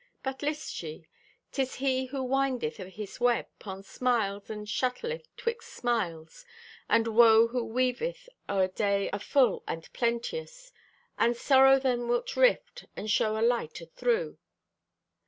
But list ye; 'tis he who windeth o' his web 'pon smiles and shuttleth 'twixt smiles and woe who weaveth o' a day afull and pleantious. And sorrow then wilt rift and show a light athrough."